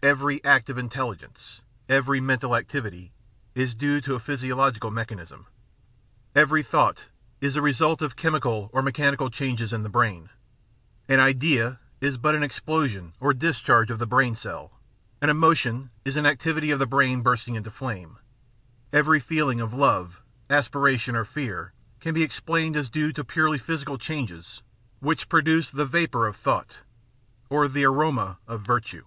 Every act of intelligence, every mental activity, is due to a physiological mechanism. Every thought is the result of chemical or mechanical changes in the brain; an "idea" is but an explosion or discharge of the brain cell, an emotion is an activity of the brain bursting into flame; every feeling of love, aspiration, or fear can be explained as due to purely physical changes which produce the vapour of thought, or the aroma of virtue.